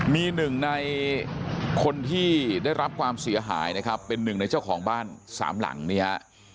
มีหนึ่งในคนที่ได้รับความเสียหายนะครับเป็นหนึ่งในเจ้าของบ้านสามหลังนี่ฮะ